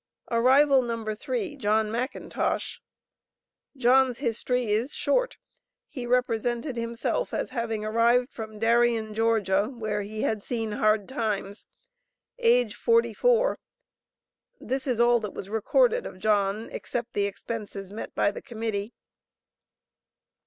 Arrival No. 3. John Mackintosh. John's history is short. He represented himself as having arrived from Darien, Georgia, where he had seen "hard times." Age, forty four. This is all that was recorded of John, except the expenses met by the Committee.